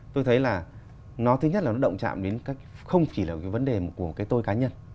tôi thấy là nó thứ nhất là nó động chạm đến các không chỉ là cái vấn đề của cái tôi cá nhân